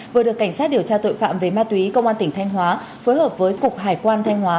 vừa được cảnh sát điều tra tội phạm về ma túy công an tỉnh thanh hóa phối hợp với cục hải quan thanh hóa